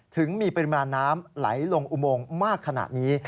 ถึงมีปริมาณน้ำไหลลงอุโมงมากขนาดนี้